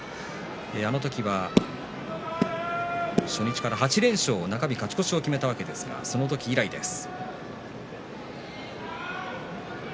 あの時は初日から８連勝中日勝ち越しを決めたわけですがその時以来です。